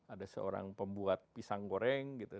ada seorang pembuat pisang goreng gitu